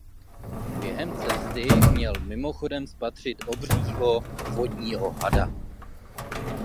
Během cesty měli mimochodem spatřit obřího „vodního hada“.